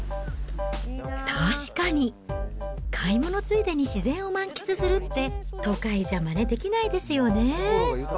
確かに、買い物ついでに自然を満喫するって、都会じゃまねできないですよね。